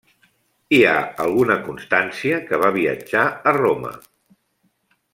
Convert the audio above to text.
Hi ha alguna constància que va viatjar a Roma.